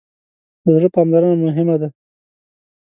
د زړه پاملرنه مهمه ده.